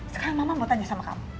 sekarang mama mau tanya sama kamu